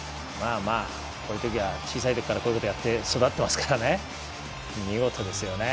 こういう時は小さい時からこういうことやって育っていますから見事ですよね。